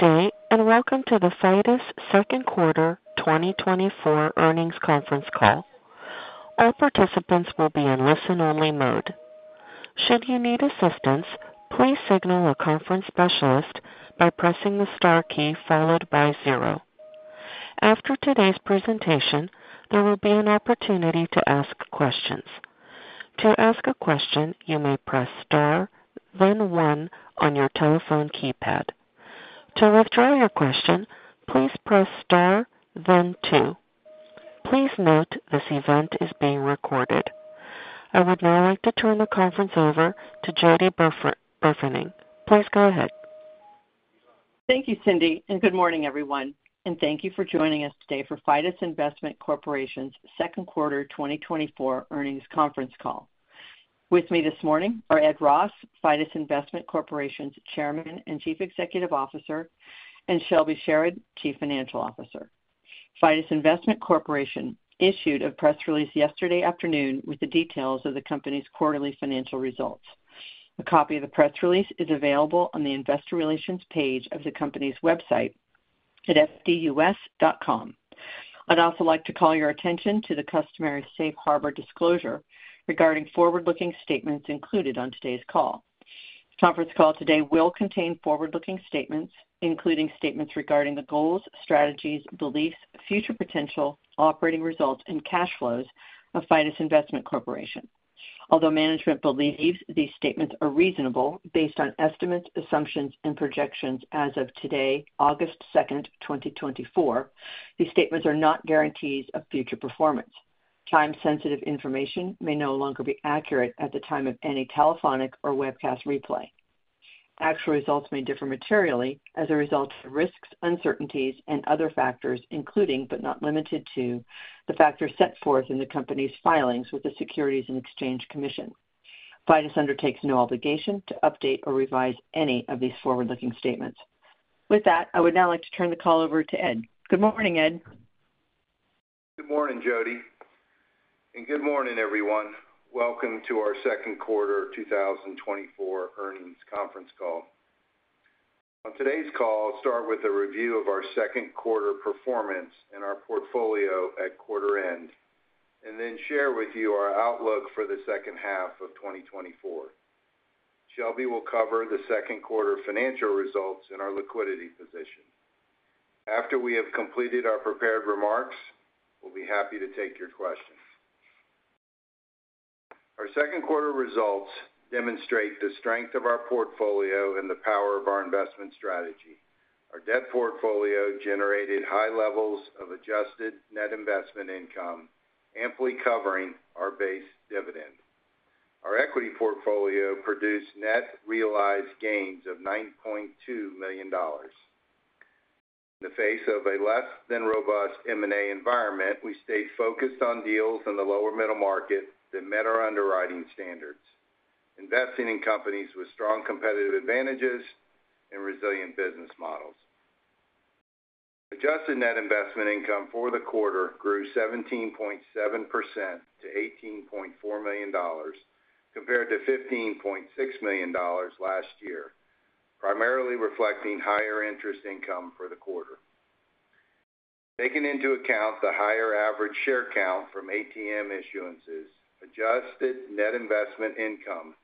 Good day, and welcome to the Fidus second quarter 2024 earnings conference call. All participants will be in listen-only mode. Should you need assistance, please signal a conference specialist by pressing the star key followed by zero. After today's presentation, there will be an opportunity to ask questions. To ask a question, you may press star, then one on your telephone keypad. To withdraw your question, please press star then two. Please note this event is being recorded. I would now like to turn the conference over to Jody Burfening. Please go ahead. Thank you, Cindy, and good morning, everyone, and thank you for joining us today for Fidus Investment Corporation's second quarter 2024 earnings conference call. With me this morning are Ed Ross, Fidus Investment Corporation's Chairman and Chief Executive Officer; and Shelby Sherard, Chief Financial Officer. Fidus Investment Corporation issued a press release yesterday afternoon with the details of the company's quarterly financial results. A copy of the press release is available on the investor relations page of the company's website at fdus.com. I'd also like to call your attention to the customary safe harbor disclosure regarding forward-looking statements included on today's call. The conference call today will contain forward-looking statements, including statements regarding the goals, strategies, beliefs, future potential, operating results, and cash flows of Fidus Investment Corporation. Although management believes these statements are reasonable, based on estimates, assumptions and projections as of today, August 2nd, 2024, these statements are not guarantees of future performance. Time-sensitive information may no longer be accurate at the time of any telephonic or webcast replay. Actual results may differ materially as a result of risks, uncertainties, and other factors, including, but not limited to, the factors set forth in the company's filings with the Securities and Exchange Commission. Fidus undertakes no obligation to update or revise any of these forward-looking statements. With that, I would now like to turn the call over to Ed. Good morning, Ed. Good morning, Jody, and good morning, everyone. Welcome to our second quarter 2024 earnings conference call. On today's call, I'll start with a review of our second quarter performance and our portfolio at quarter end, and then share with you our outlook for the second half of 2024. Shelby will cover the second quarter financial results and our liquidity position. After we have completed our prepared remarks, we'll be happy to take your questions. Our second quarter results demonstrate the strength of our portfolio and the power of our investment strategy. Our debt portfolio generated high levels of adjusted net investment income, amply covering our base dividend. Our equity portfolio produced net realized gains of $9.2 million. In the face of a less than robust M&A environment, we stayed focused on deals in the lower middle market that met our underwriting standards, investing in companies with strong competitive advantages and resilient business models. Adjusted net investment income for the quarter grew 17.7% to $18.4 million, compared to $15.6 million last year, primarily reflecting higher interest income for the quarter. Taking into account the higher average share count from ATM issuances, adjusted net investment income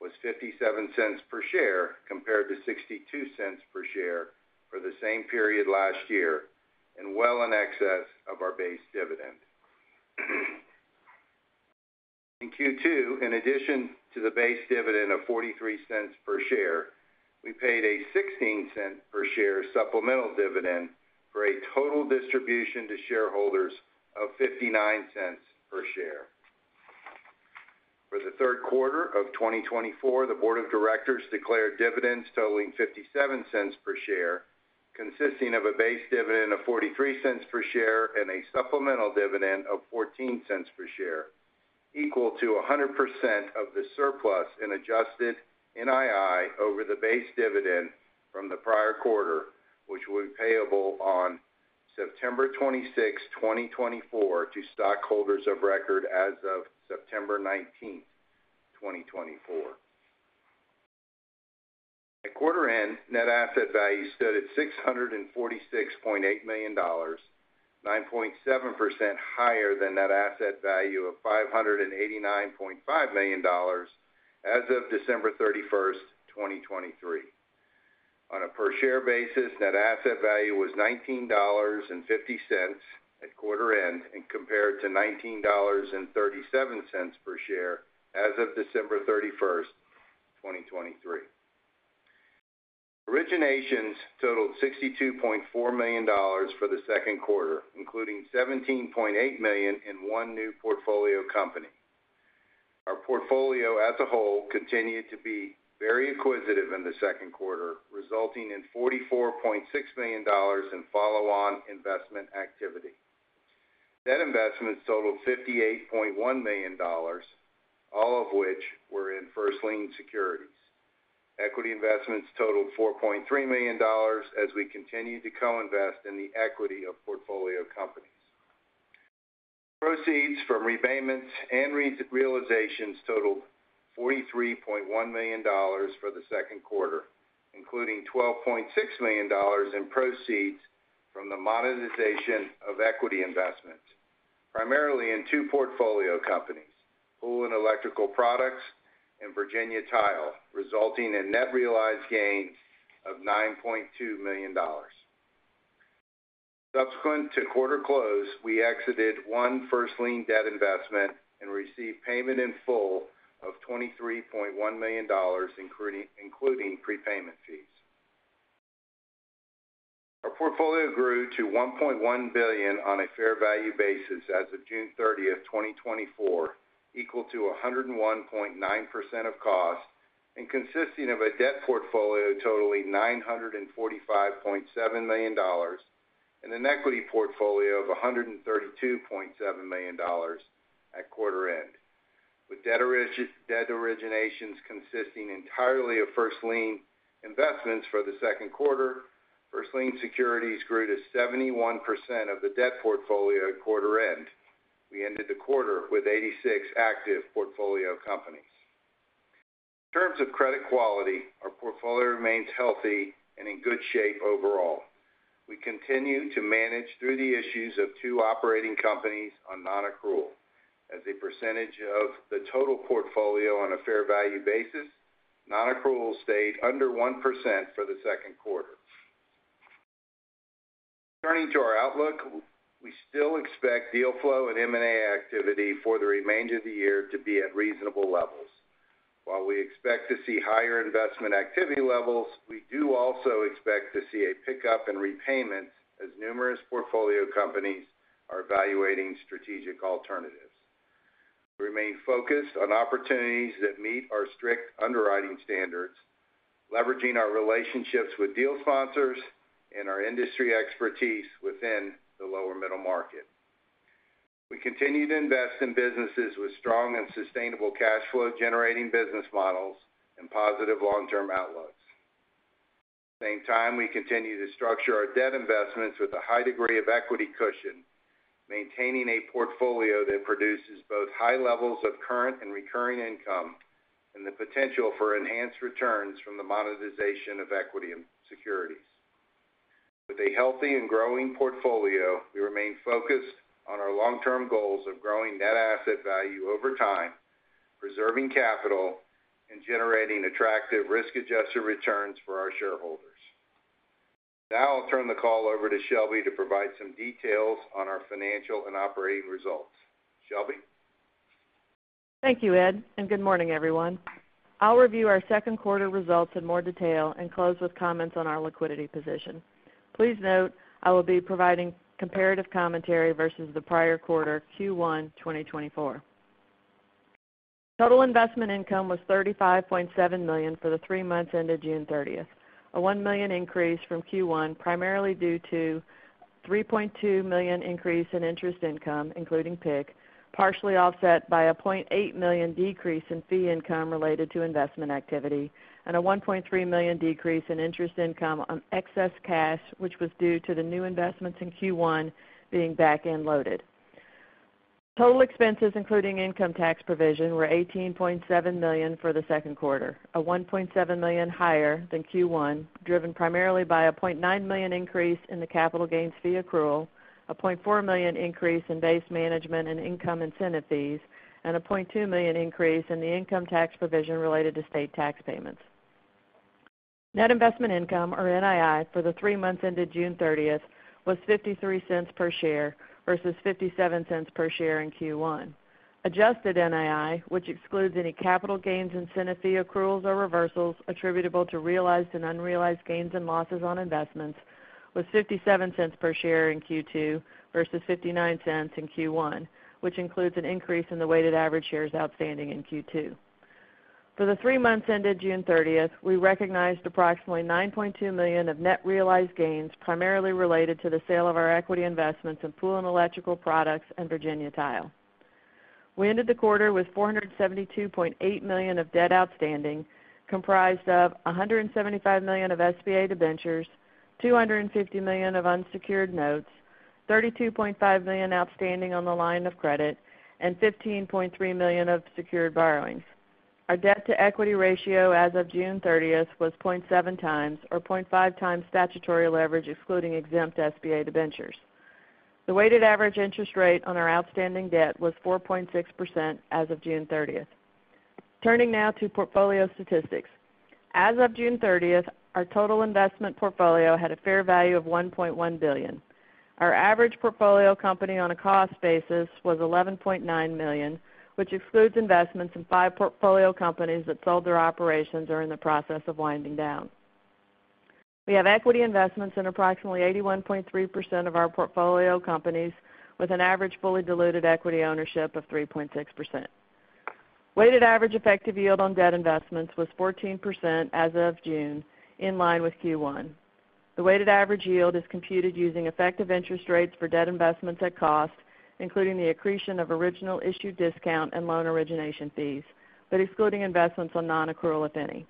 was $0.57 per share, compared to $0.62 per share for the same period last year and well in excess of our base dividend. In Q2, in addition to the base dividend of $0.43 per share, we paid a $0.16 per share supplemental dividend, for a total distribution to shareholders of $0.59 per share. For the third quarter of 2024, the board of directors declared dividends totaling $0.57 per share, consisting of a base dividend of $0.43 per share and a supplemental dividend of $0.14 per share, equal to 100% of the surplus and adjusted NII over the base dividend from the prior quarter, which will be payable on September 26th, 2024, to stockholders of record as of September 19th, 2024. At quarter end, net asset value stood at $646.8 million, 9.7% higher than net asset value of $589.5 million as of December 31st, 2023. On a per share basis, net asset value was $19.50 at quarter end and compared to $19.37 per share as of December 31st, 2023. Originations totaled $62.4 million for the second quarter, including $17.8 million in one new portfolio company. Our portfolio as a whole continued to be very acquisitive in the second quarter, resulting in $44.6 million in follow-on investment activity. Net investments totaled $58.1 million, all of which were in first lien securities. Equity investments totaled $4.3 million as we continued to co-invest in the equity of portfolio companies. Proceeds from repayments and realizations totaled $43.1 million for the second quarter, including $12.6 million in proceeds from the monetization of equity investments, primarily in two portfolio companies, Pool & Electrical Products and Virginia Tile, resulting in net realized gains of $9.2 million. Subsequent to quarter close, we exited one first lien debt investment and received payment in full of $23.1 million, including prepayment fees. Our portfolio grew to $1.1 billion on a fair value basis as of June 30th, 2024, equal to 101.9% of cost, and consisting of a debt portfolio totaling $945.7 million and an equity portfolio of $132.7 million at quarter end. With debt originations consisting entirely of first lien investments for the second quarter, first lien securities grew to 71% of the debt portfolio at quarter end. We ended the quarter with 86 active portfolio companies. In terms of credit quality, our portfolio remains healthy and in good shape overall. We continue to manage through the issues of two operating companies on non-accrual. As a percentage of the total portfolio on a fair value basis, non-accrual stayed under 1% for the second quarter. Turning to our outlook, we still expect deal flow and M&A activity for the remainder of the year to be at reasonable levels. While we expect to see higher investment activity levels, we do also expect to see a pickup in repayments as numerous portfolio companies are evaluating strategic alternatives. We remain focused on opportunities that meet our strict underwriting standards, leveraging our relationships with deal sponsors and our industry expertise within the lower middle market. We continue to invest in businesses with strong and sustainable cash flow, generating business models and positive long-term outlooks. At the same time, we continue to structure our debt investments with a high degree of equity cushion, maintaining a portfolio that produces both high levels of current and recurring income and the potential for enhanced returns from the monetization of equity and securities. With a healthy and growing portfolio, we remain focused on our long-term goals of growing net asset value over time, preserving capital, and generating attractive risk-adjusted returns for our shareholders. Now I'll turn the call over to Shelby to provide some details on our financial and operating results. Shelby? Thank you, Ed, and good morning, everyone. I'll review our second quarter results in more detail and close with comments on our liquidity position. Please note, I will be providing comparative commentary versus the prior quarter, Q1 2024. Total investment income was $35.7 million for the three months ended June 30th, a $1 million increase from Q1, primarily due to $3.2 million increase in interest income, including PIK, partially offset by a $0.8 million decrease in fee income related to investment activity, and a $1.3 million decrease in interest income on excess cash, which was due to the new investments in Q1 being back-end loaded. Total expenses, including income tax provision, were $18.7 million for the second quarter, $1.7 million higher than Q1, driven primarily by a $0.9 million increase in the capital gains fee accrual, a $0.4 million increase in base management and income incentive fees, and a $0.2 million increase in the income tax provision related to state tax payments. Net investment income, or NII, for the three months ended June 30th, was $0.53 per share versus $0.57 per share in Q1. Adjusted NII, which excludes any capital gains, incentive fee accruals or reversals attributable to realized and unrealized gains and losses on investments, was $0.57 per share in Q2 versus $0.59 per share in Q1, which includes an increase in the weighted average shares outstanding in Q2. For the three months ended June 30th, we recognized approximately $9.2 million of net realized gains, primarily related to the sale of our equity investments in Pool & Electrical Products and Virginia Tile. We ended the quarter with $472.8 million of debt outstanding, comprised of $175 million of SBA debentures, $250 million of unsecured notes, $32.5 million outstanding on the line of credit, and $15.3 million of secured borrowings. Our debt-to-equity ratio as of June 30th was 0.7x, or 0.5x statutory leverage, excluding exempt SBA debentures. The weighted average interest rate on our outstanding debt was 4.6% as of June 30. Turning now to portfolio statistics. As of June 30th, our total investment portfolio had a fair value of $1.1 billion. Our average portfolio company on a cost basis was $11.9 million, which excludes investments in five portfolio companies that sold their operations or are in the process of winding down. We have equity investments in approximately 81.3% of our portfolio companies, with an average fully diluted equity ownership of 3.6%. Weighted average effective yield on debt investments was 14% as of June, in line with Q1. The weighted average yield is computed using effective interest rates for debt investments at cost, including the accretion of original issue discount and loan origination fees, but excluding investments on nonaccrual, if any.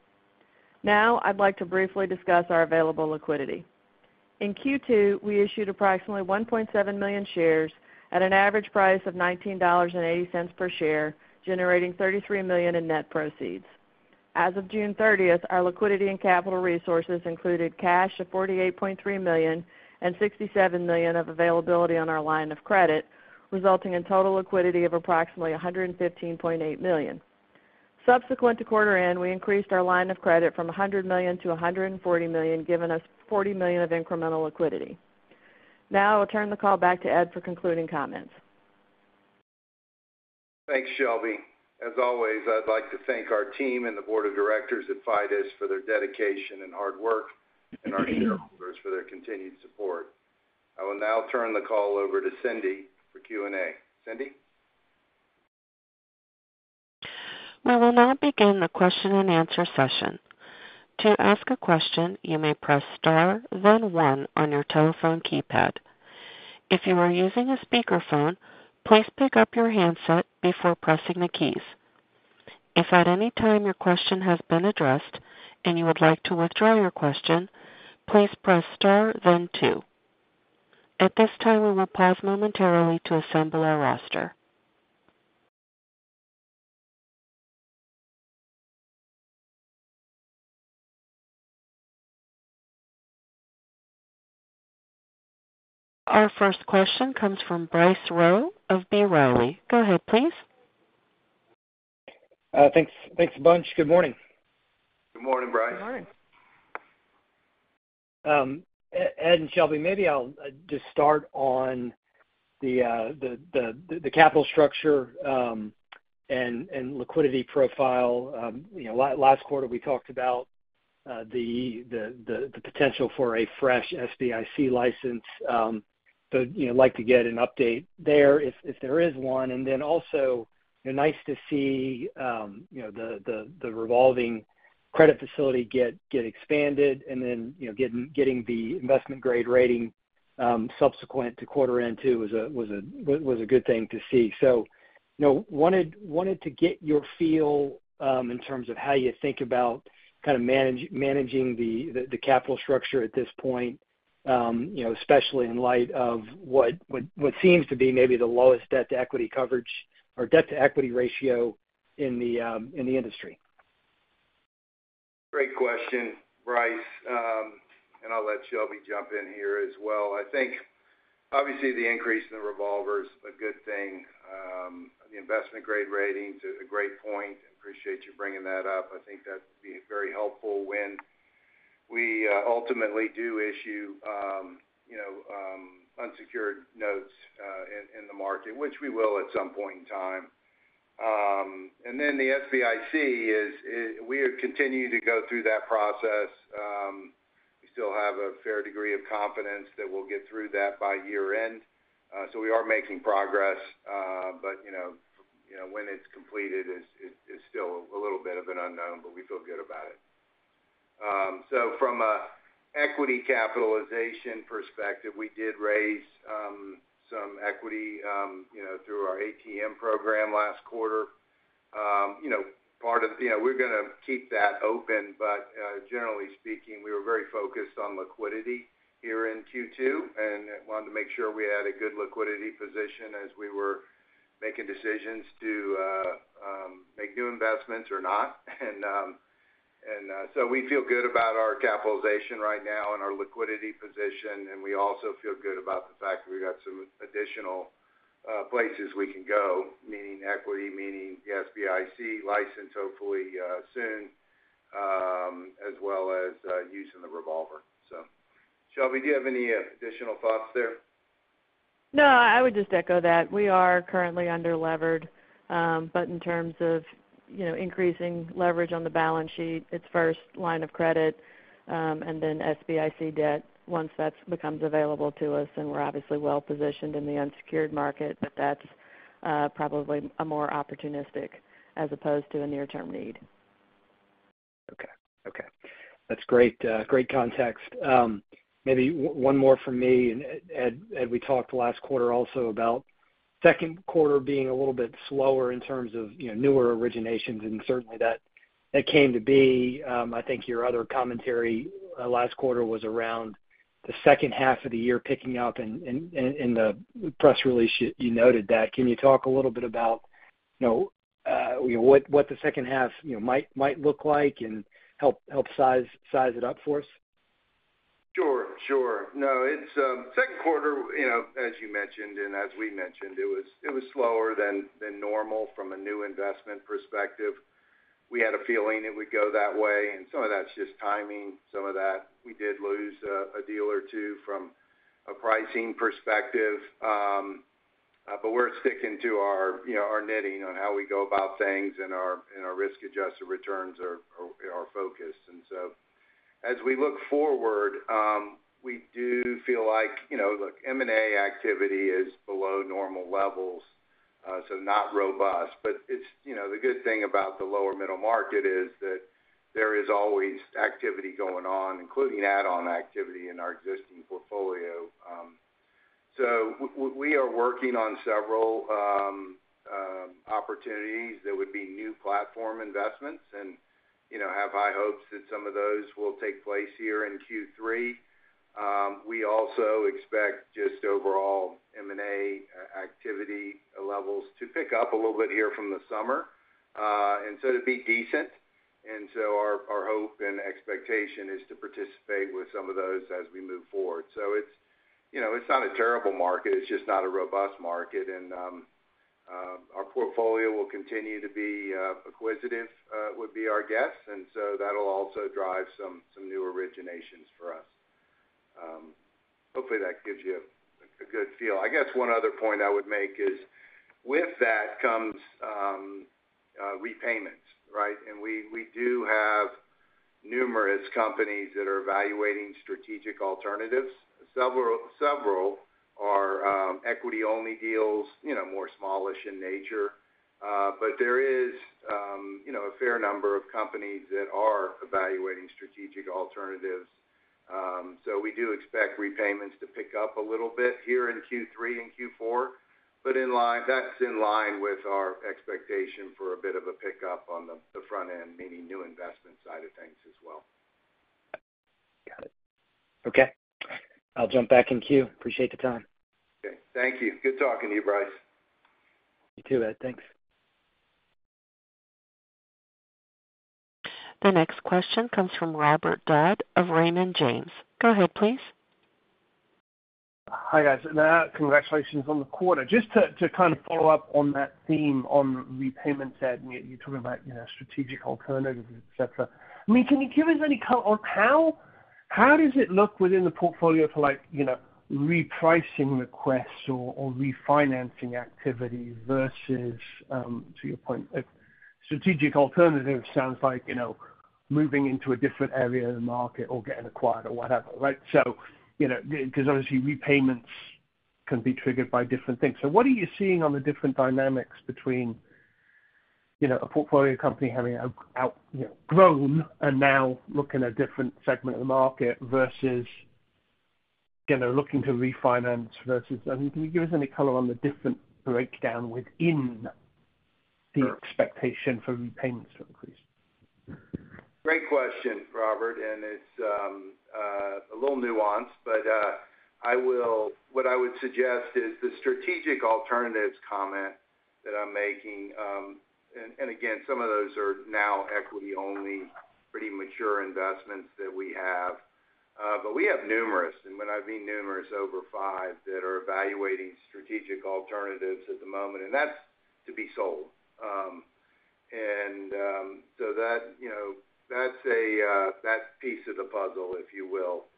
Now, I'd like to briefly discuss our available liquidity. In Q2, we issued approximately 1.7 million shares at an average price of $19.80 per share, generating $33 million in net proceeds. As of June 30th, our liquidity and capital resources included cash of $48.3 million and $67 million of availability on our line of credit, resulting in total liquidity of approximately $115.8 million. Subsequent to quarter end, we increased our line of credit from $100 million to $140 million, giving us $40 million of incremental liquidity. Now I'll turn the call back to Ed for concluding comments. Thanks, Shelby. As always, I'd like to thank our team and the Board of Directors at Fidus for their dedication and hard work, and our shareholders for their continued support. I will now turn the call over to Cindy for Q&A. Cindy? We will now begin the question-and-answer session. To ask a question, you may press star then one on your telephone keypad. If you are using a speakerphone, please pick up your handset before pressing the keys. If at any time your question has been addressed and you would like to withdraw your question, please press star then two. At this time, we will pause momentarily to assemble our roster. Our first question comes from Bryce Rowe of B. Riley. Go ahead, please. Thanks. Thanks a bunch. Good morning. Good morning, Bryce. Good morning. Ed and Shelby, maybe I'll just start on the capital structure and liquidity profile. You know, last quarter, we talked about the potential for a fresh SBIC license. So, you know, like to get an update there if there is one. And then also, nice to see, you know, the revolving credit facility get expanded and then, you know, getting the investment-grade rating subsequent to quarter end, too, was a good thing to see. So, you know, wanted to get your feel in terms of how you think about kind of managing the capital structure at this point, you know, especially in light of what seems to be maybe the lowest debt-to-equity coverage or debt-to-equity ratio in the industry. Great question, Bryce. And I'll let Shelby jump in here as well. I think, obviously, the increase in the revolver is a good thing. The investment-grade rating is a great point. Appreciate you bringing that up. I think that's been very helpful when we ultimately do issue, you know, unsecured notes in the market, which we will at some point in time. And then the SBIC is we have continued to go through that process. We still have a fair degree of confidence that we'll get through that by year-end. So we are making progress, but you know, when it's completed is still a little bit of an unknown, but we feel good about it. So from a equity capitalization perspective, we did raise some equity, you know, through our ATM program last quarter. You know, part of—you know, we're gonna keep that open, but generally speaking, we were very focused on liquidity here in Q2 and wanted to make sure we had a good liquidity position as we were making decisions to make new investments or not. And so we feel good about our capitalization right now and our liquidity position, and we also feel good about the fact that we've got some additional places we can go, meaning equity, meaning the SBIC license, hopefully soon, as well as using the revolver. So Shelby, do you have any additional thoughts there? No, I would just echo that we are currently under-levered, but in terms of, you know, increasing leverage on the balance sheet, it's first line of credit, and then SBIC debt, once that becomes available to us, and we're obviously well positioned in the unsecured market, but that's probably a more opportunistic as opposed to a near-term need. Okay. Okay, that's great, great context. Maybe one more from me. Ed, we talked last quarter also about second quarter being a little bit slower in terms of, you know, newer originations, and certainly that came to be. I think your other commentary last quarter was around the second half of the year picking up and the press release, you noted that. Can you talk a little bit about, you know, what the second half, you know, might look like and help size it up for us? Sure, sure. No, it's second quarter, you know, as you mentioned, and as we mentioned, it was slower than normal from a new investment perspective. We had a feeling it would go that way, and some of that's just timing. Some of that, we did lose a deal or two from a pricing perspective. But we're sticking to our, you know, our knitting on how we go about things and our risk-adjusted returns are focused. And so as we look forward, we do feel like, you know, look, M&A activity is below normal levels, so not robust. But it's, you know, the good thing about the lower middle market is that there is always activity going on, including add-on activity in our existing portfolio... So we are working on several opportunities that would be new platform investments and, you know, have high hopes that some of those will take place here in Q3. We also expect just overall M&A activity levels to pick up a little bit here from the summer and so to be decent. And so our hope and expectation is to participate with some of those as we move forward. So it's, you know, it's not a terrible market, it's just not a robust market. And our portfolio will continue to be acquisitive, would be our guess, and so that'll also drive some new originations for us. Hopefully, that gives you a good feel. I guess one other point I would make is with that comes repayments, right? And we do have numerous companies that are evaluating strategic alternatives. Several are equity-only deals, you know, more smallish in nature. But there is, you know, a fair number of companies that are evaluating strategic alternatives. So we do expect repayments to pick up a little bit here in Q3 and Q4, but in line, that's in line with our expectation for a bit of a pickup on the front end, meaning new investment side of things as well. Got it. Okay, I'll jump back in queue. Appreciate the time. Okay. Thank you. Good talking to you, Bryce. You too, Ed. Thanks. The next question comes from Robert Dodd of Raymond James. Go ahead, please. Hi, guys. Congratulations on the quarter. Just to kind of follow up on that theme on repayments, Ed, and you talking about, you know, strategic alternatives, et cetera. I mean, can you give us any color on how does it look within the portfolio for like, you know, repricing requests or refinancing activity versus, to your point, a strategic alternative sounds like, you know, moving into a different area of the market or getting acquired or whatever, right? So, you know, because obviously repayments can be triggered by different things. So what are you seeing on the different dynamics between, you know, a portfolio company having outgrown and now look in a different segment of the market versus, again, they're looking to refinance versus... I mean, can you give us any color on the different breakdown within the expectation for repayments to increase? Great question, Robert, and it's a little nuanced, but I will, what I would suggest is the strategic alternatives comment that I'm making, and again, some of those are now equity-only, pretty mature investments that we have. But we have numerous, and when I mean numerous, over five, that are evaluating strategic alternatives at the moment, and that's to be sold. And so that, you know, that's a that piece of the puzzle, if you will.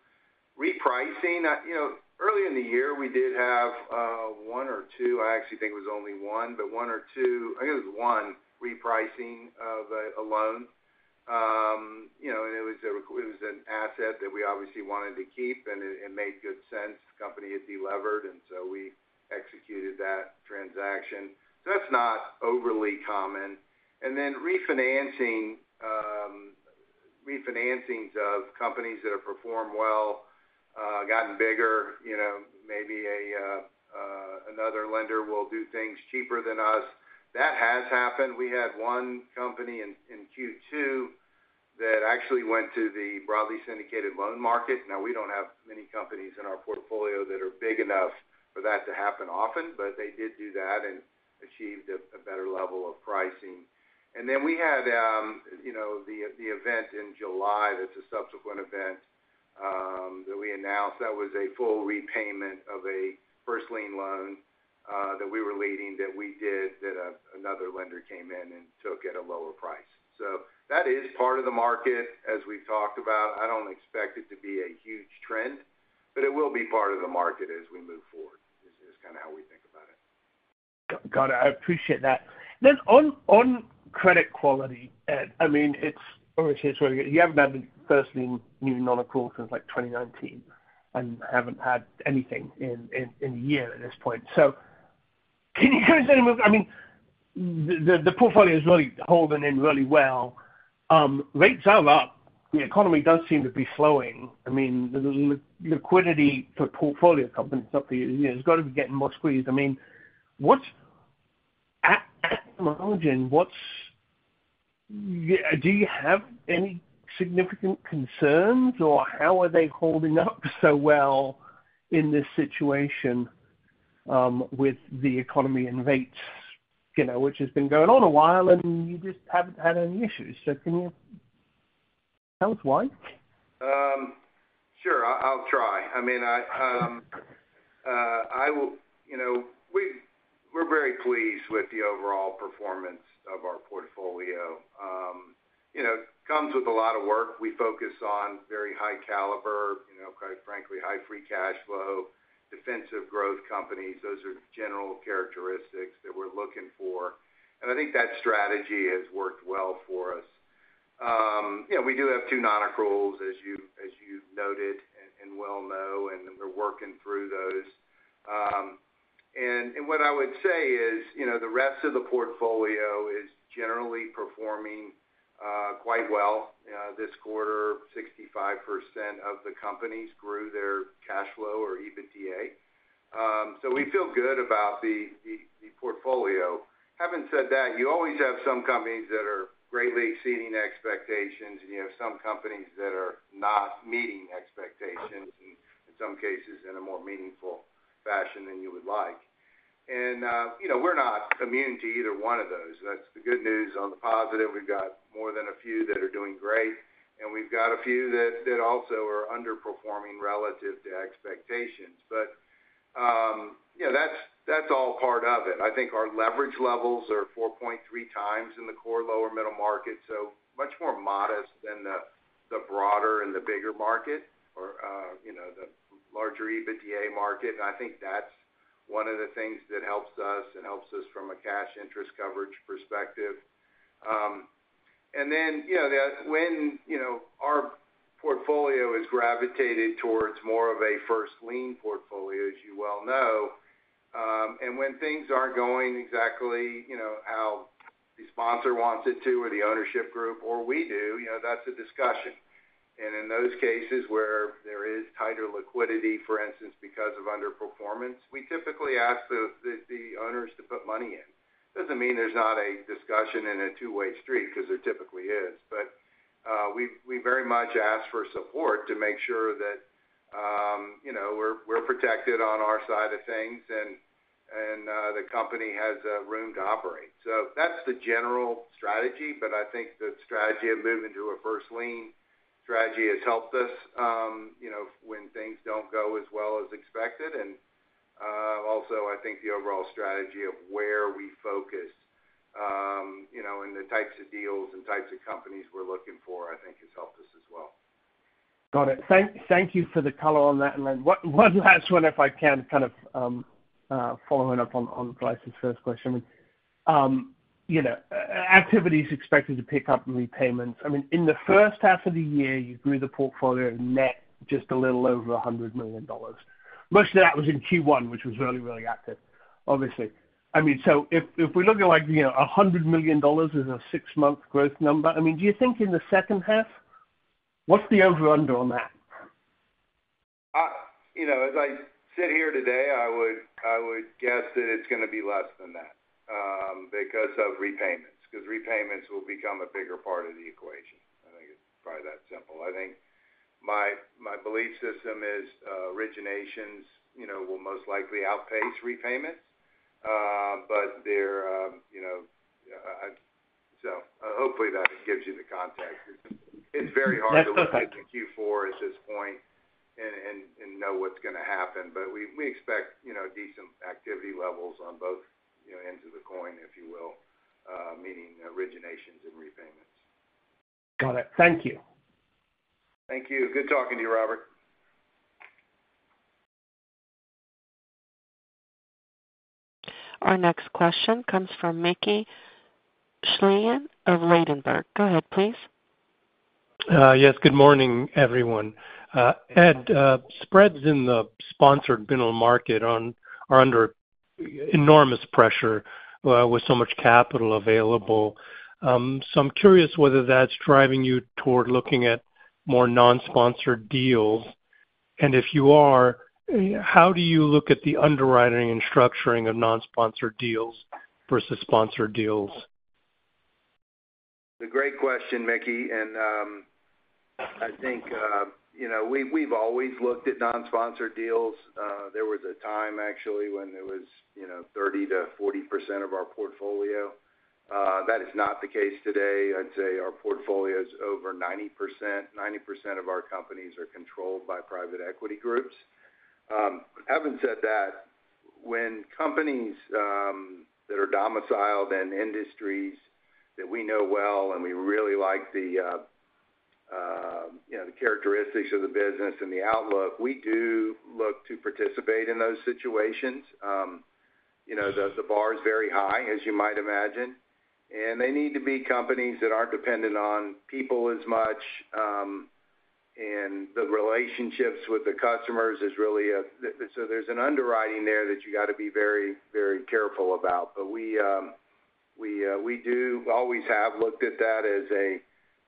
Repricing, you know, early in the year, we did have one or two, I actually think it was only one, but one or two, I think it was one repricing of a loan. You know, and it was an asset that we obviously wanted to keep, and it made good sense. The company is delevered, and so we executed that transaction. That's not overly common. And then refinancing, refinancings of companies that have performed well, gotten bigger, you know, maybe another lender will do things cheaper than us. That has happened. We had one company in Q2 that actually went to the broadly syndicated loan market. Now, we don't have many companies in our portfolio that are big enough for that to happen often, but they did do that and achieved a better level of pricing. And then we had, you know, the event in July, that's a subsequent event, that we announced. That was a full repayment of a first lien loan that we were leading, another lender came in and took at a lower price. So that is part of the market as we've talked about. I don't expect it to be a huge trend, but it will be part of the market as we move forward. This is kind of how we think about it. Got it. I appreciate that. Then on credit quality, Ed, I mean, it's obviously, it's really good. You haven't had the first-lien new non-accrual since, like, 2019 and haven't had anything in a year at this point. So can you give us any more? I mean, the portfolio is really holding in really well. Rates are up. The economy does seem to be slowing. I mean, the liquidity for portfolio companies up here, you know, has got to be getting more squeezed. I mean, what's at margin, what's yeah? Do you have any significant concerns, or how are they holding up so well in this situation, with the economy and rates, you know, which has been going on a while, and you just haven't had any issues. So can you tell us why? Sure. I'll try. I mean, I will, you know, we're very pleased with the overall performance of our portfolio. You know, it comes with a lot of work. We focus on very high caliber, you know, quite frankly, high free cash flow, defensive growth companies. Those are general characteristics that we're looking for, and I think that strategy has worked well for us. You know, we do have two non-accruals, as you noted and well know, and we're working through those... What I would say is, you know, the rest of the portfolio is generally performing quite well. This quarter, 65% of the companies grew their cash flow or EBITDA. So we feel good about the portfolio. Having said that, you always have some companies that are greatly exceeding expectations, and you have some companies that are not meeting expectations, and in some cases, in a more meaningful fashion than you would like. And, you know, we're not immune to either one of those. That's the good news. On the positive, we've got more than a few that are doing great, and we've got a few that also are underperforming relative to expectations. But, you know, that's all part of it. I think our leverage levels are 4.3x in the core lower middle market, so much more modest than the broader and the bigger market or, you know, the larger EBITDA market. I think that's one of the things that helps us and helps us from a cash interest coverage perspective. And then, you know, when, you know, our portfolio is gravitated towards more of a first lien portfolio, as you well know, and when things aren't going exactly, you know, how the sponsor wants it to, or the ownership group, or we do, you know, that's a discussion. And in those cases where there is tighter liquidity, for instance, because of underperformance, we typically ask the owners to put money in. Doesn't mean there's not a discussion and a two-way street, because there typically is. But we very much ask for support to make sure that, you know, we're protected on our side of things, and the company has room to operate. So that's the general strategy, but I think the strategy of moving to a first lien strategy has helped us, you know, when things don't go as well as expected. And, also, I think the overall strategy of where we focus, you know, and the types of deals and types of companies we're looking for, I think has helped us as well. Got it. Thank you for the color on that. Then one last one, if I can, kind of following up on Bryce's first question. You know, activity is expected to pick up in repayments. I mean, in the first half of the year, you grew the portfolio net just a little over $100 million. Much of that was in Q1, which was really, really active, obviously. I mean, so if we're looking at, like, you know, $100 million as a six-month growth number, I mean, do you think in the second half, what's the over-under on that? You know, as I sit here today, I would, I would guess that it's gonna be less than that, because of repayments, because repayments will become a bigger part of the equation. I think it's probably that simple. I think my, my belief system is, originations, you know, will most likely outpace repayments. But they're, you know, so hopefully that gives you the context. That's okay. It's very hard to look out to Q4 at this point and know what's gonna happen, but we expect, you know, decent activity levels on both, you know, ends of the coin, if you will, meaning originations and repayments. Got it. Thank you. Thank you. Good talking to you, Robert. Our next question comes from Mickey Schleien of Ladenburg. Go ahead, please. Yes, good morning, everyone. Ed, spreads in the sponsored middle market are under enormous pressure with so much capital available. So I'm curious whether that's driving you toward looking at more non-sponsored deals. And if you are, how do you look at the underwriting and structuring of non-sponsored deals versus sponsored deals? It's a great question, Mickey, and, I think, you know, we, we've always looked at non-sponsored deals. There was a time, actually, when it was, you know, 30%-40% of our portfolio. That is not the case today. I'd say our portfolio is over 90%. 90% of our companies are controlled by private equity groups. Having said that, when companies, that are domiciled in industries that we know well, and we really like the, you know, the characteristics of the business and the outlook, we do look to participate in those situations. You know, the bar is very high, as you might imagine, and they need to be companies that aren't dependent on people as much, and the relationships with the customers is really so there's an underwriting there that you got to be very, very careful about. But we do always have looked at that as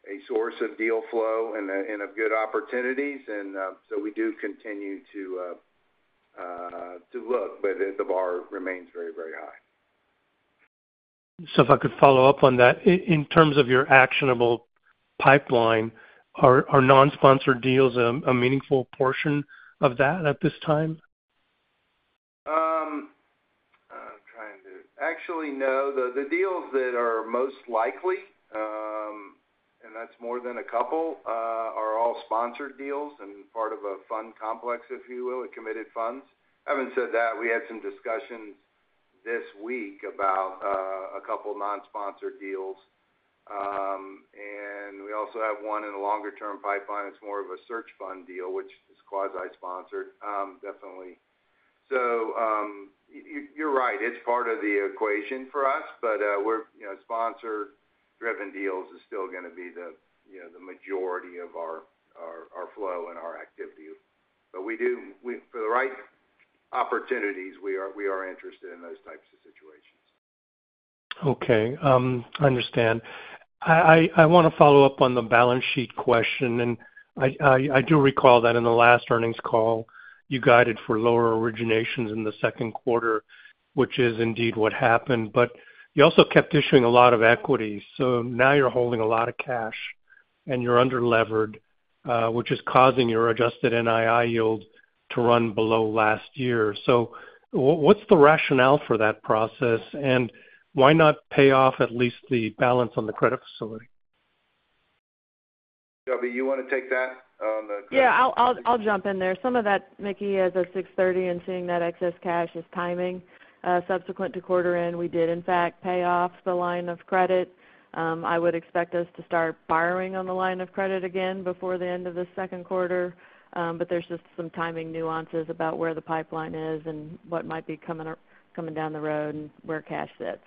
a source of deal flow and of good opportunities, and so we do continue to look, but the bar remains very, very high. So if I could follow up on that. In terms of your actionable pipeline, are non-sponsored deals a meaningful portion of that at this time? Actually, no. The deals that are most likely, and that's more than a couple, are all sponsored deals and part of a fund complex, if you will, with committed funds. Having said that, we had some discussions this week about a couple of non-sponsored deals. And we also have one in a longer-term pipeline that's more of a search fund deal, which is quasi-sponsored, definitely. So, you're right, it's part of the equation for us, but we're, you know, sponsored-driven deals is still going to be the, you know, the majority of our flow and our activity. But we do, we, for the right opportunities, we are interested in those types of situations. Okay, I understand. I want to follow up on the balance sheet question, and I do recall that in the last earnings call, you guided for lower originations in the second quarter, which is indeed what happened, but you also kept issuing a lot of equity. So now you're holding a lot of cash and you're under levered, which is causing your adjusted NII yield to run below last year. So what's the rationale for that process, and why not pay off at least the balance on the credit facility? Shelby, you want to take that on the- Yeah, I'll jump in there. Some of that, Mickey, is at 6.30 and seeing that excess cash is timing. Subsequent to quarter end, we did in fact pay off the line of credit. I would expect us to start borrowing on the line of credit again before the end of the second quarter. But there's just some timing nuances about where the pipeline is and what might be coming up- coming down the road and where cash sits.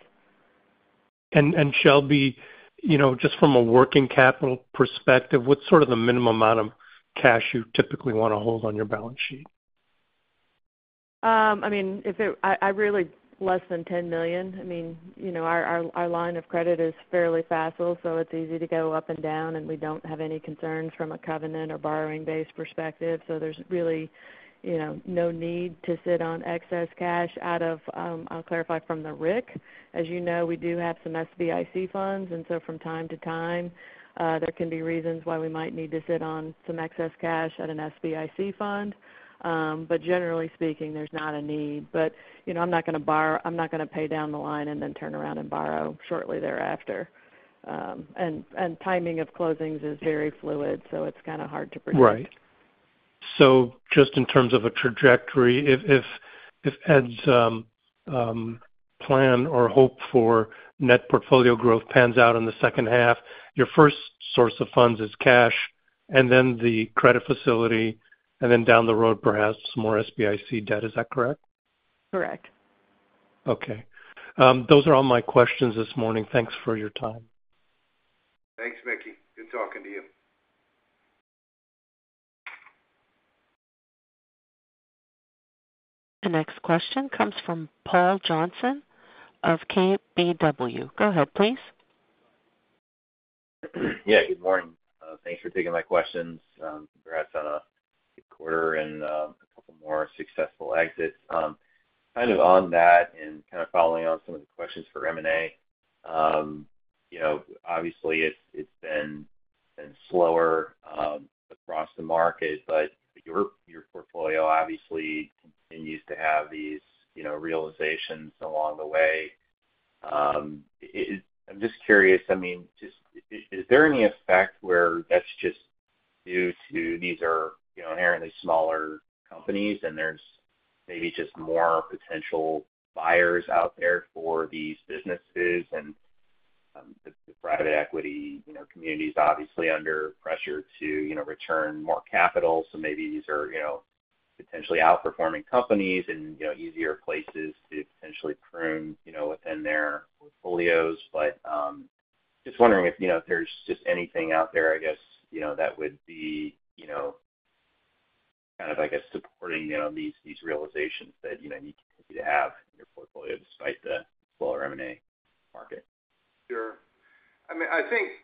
And, Shelby, you know, just from a working capital perspective, what's sort of the minimum amount of cash you typically want to hold on your balance sheet? I mean, if it's less than $10 million. I mean, you know, our line of credit is fairly facile, so it's easy to go up and down, and we don't have any concerns from a covenant or borrowing base perspective. So there's really, you know, no need to sit on excess cash out of, I'll clarify from the RIC. As you know, we do have some SBIC funds, and so from time to time, there can be reasons why we might need to sit on some excess cash at an SBIC fund. But generally speaking, there's not a need. But, you know, I'm not going to pay down the line and then turn around and borrow shortly thereafter. And timing of closings is very fluid, so it's kind of hard to predict. Right. So just in terms of a trajectory, if Ed's plan or hope for net portfolio growth pans out in the second half, your first source of funds is cash and then the credit facility, and then down the road, perhaps more SBIC debt. Is that correct? Correct. Okay. Those are all my questions this morning. Thanks for your time. Thanks, Mickey. Good talking to you. The next question comes from Paul Johnson of KBW. Go ahead, please. Yeah, good morning. Thanks for taking my questions. Congrats on a good quarter and a couple more successful exits. Kind of on that and kind of following on some of the questions for M&A. You know, obviously, it's been slower across the market, but your portfolio obviously continues to have these, you know, realizations along the way. I'm just curious, I mean, just, is there any effect where that's just due to these are, you know, inherently smaller companies, and there's maybe just more potential buyers out there for these businesses? And the private equity, you know, community is obviously under pressure to, you know, return more capital. So maybe these are, you know, potentially outperforming companies and, you know, easier places to potentially prune, you know, within their portfolios. Just wondering if, you know, there's just anything out there, I guess, you know, that would be, you know, kind of, I guess, supporting, you know, these, these realizations that, you know, you continue to have in your portfolio despite the slower M&A market? Sure. I mean, I think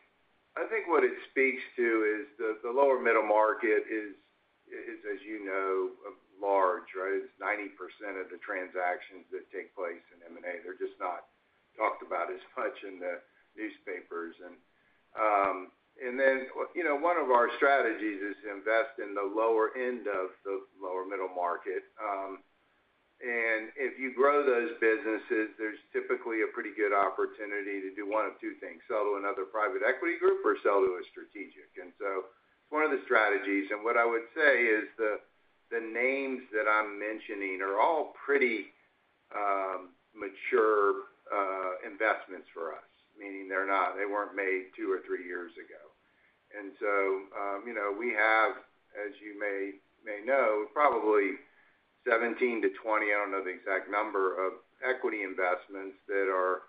what it speaks to is the lower middle market is, as you know, large, right? It's 90% of the transactions that take place in M&A. They're just not talked about as much in the newspapers. And then, you know, one of our strategies is to invest in the lower end of the lower middle market. And if you grow those businesses, there's typically a pretty good opportunity to do one of two things, sell to another private equity group or sell to a strategic. And so one of the strategies, and what I would say is the names that I'm mentioning are all pretty mature investments for us, meaning they weren't made two or three years ago. And so, you know, we have, as you may know, probably 17 to 20, I don't know the exact number, of equity investments that are,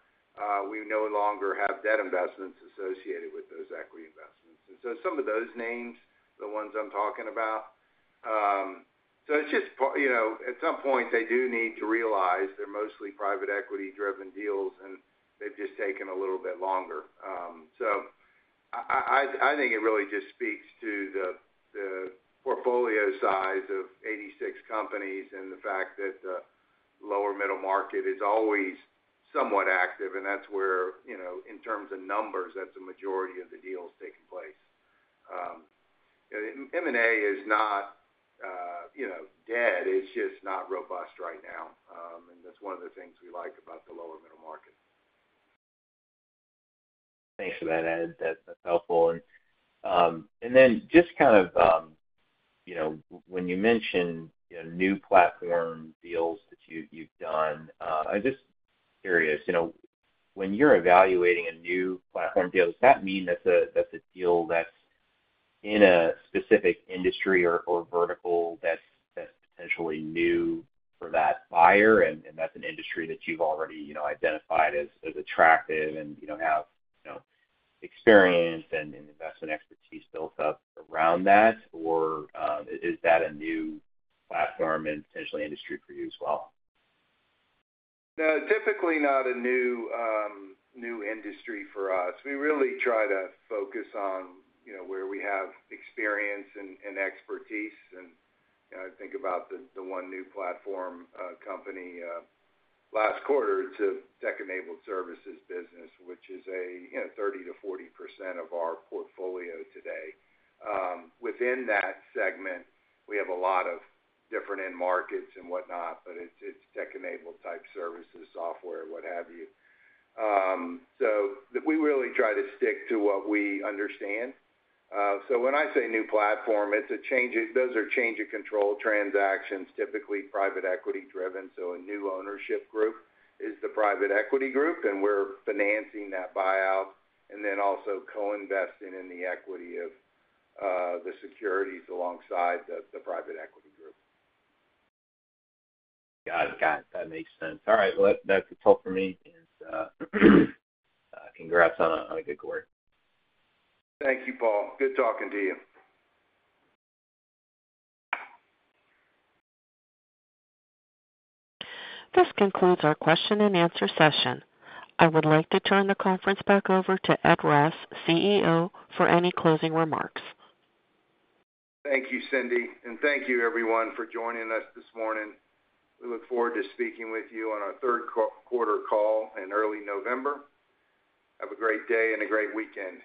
we no longer have debt investments associated with those equity investments. And so some of those names, the ones I'm talking about, so it's just, you know, at some point, they do need to realize they're mostly private equity-driven deals, and they've just taken a little bit longer. So I think it really just speaks to the portfolio size of 86 companies and the fact that the lower middle market is always somewhat active, and that's where, you know, in terms of numbers, that's the majority of the deals taking place. M&A is not, you know, dead, it's just not robust right now. That's one of the things we like about the lower middle market. Thanks for that, Ed. That's helpful. And then just kind of, you know, when you mention, you know, new platform deals that you've done, I'm just curious, you know, when you're evaluating a new platform deal, does that mean that's a deal that's in a specific industry or vertical that's potentially new for that buyer, and that's an industry that you've already, you know, identified as attractive and, you know, have experience and investment expertise built up around that? Or is that a new platform and potentially industry for you as well? No, typically, not a new, new industry for us. We really try to focus on, you know, where we have experience and expertise. And, you know, I think about the one new platform company last quarter, it's a tech-enabled services business, which is a, you know, 30%-40% of our portfolio today. Within that segment, we have a lot of different end markets and whatnot, but it's tech-enabled type services, software, what have you. So we really try to stick to what we understand. So when I say new platform, it's a change. Those are change-of-control transactions, typically private equity driven. So a new ownership group is the private equity group, and we're financing that buyout and then also co-investing in the equity of the securities alongside the private equity group. Got it. That makes sense. All right. Well, that's it all for me. Congrats on a good quarter. Thank you, Paul. Good talking to you. This concludes our question-and-answer session. I would like to turn the conference back over to Ed Ross, CEO, for any closing remarks. Thank you, Cindy, and thank you everyone for joining us this morning. We look forward to speaking with you on our third quarter call in early November. Have a great day and a great weekend.